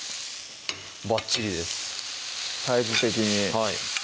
ばっちりですサイズ的にはい